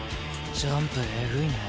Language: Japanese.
ジャンプえぐいね。